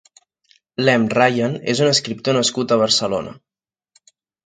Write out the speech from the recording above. Lem Ryan és un escriptor nascut a Barcelona.